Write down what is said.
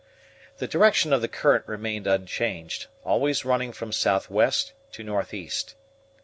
The direction of the current remained unchanged, always running from southwest to northeast.